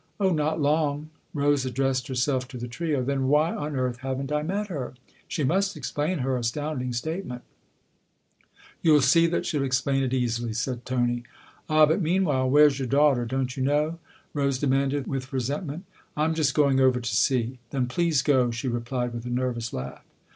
" Oh, not long !" Rose addressed herself to the trio. " Then why on earth haven't I met her ? She must explain her astounding statement !"" You'll see that she'll explain it easily," said Tony. THE OTHER HOUSE 249 " Ah, but, meanwhile, where's your daughter, don't you know?" Rose demanded with resent ment. " I'm just going over to see." " Then please go !" she replied with a nervous laugh.